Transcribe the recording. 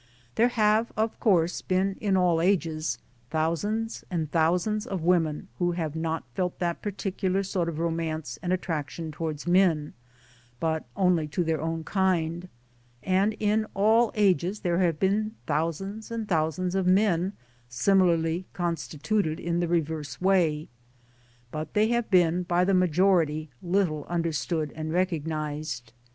There have of course been, in all ages, thousands and thousands of women who have not felt that particular sort of romance and attraction towards men, but only to their own kind ; and in all ages there have been thousands and thousands of men similarly constituted in the reverse way ; but they have been, by the majority, little under stood and recognized.